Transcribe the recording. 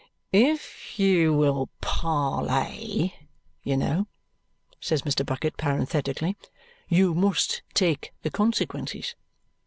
"If you WILL PARLAY, you know," says Mr. Bucket parenthetically, "you must take the consequences.